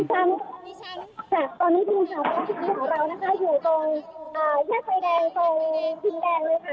พี่ฉันตอนนี้คุณค่ะเราอยู่ตรงแยกไฟแดงตรงดินแดงเลยค่ะ